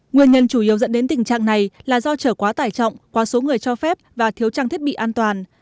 nguyên nhân chủ yếu dẫn đến tình trạng này là do trở quá tải trọng quá số người cho phép và thiếu trang thiết bị an toàn